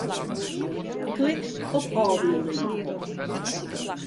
Klik op ôfbylding.